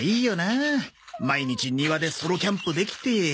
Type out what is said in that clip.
あ毎日庭でソロキャンプできて。